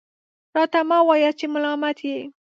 راته مه وایاست چې ملامت یې .